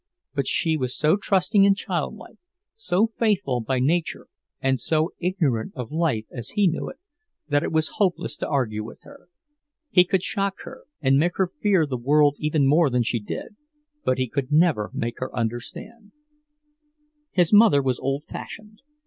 But she was so trusting and childlike, so faithful by nature and so ignorant of life as he knew it, that it was hopeless to argue with her. He could shock her and make her fear the world even more than she did, but he could never make her understand. His mother was old fashioned.